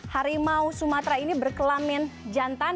harimau sumatera ini berkelamin jantan